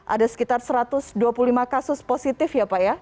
ada sekitar satu ratus dua puluh lima kasus positif ya pak ya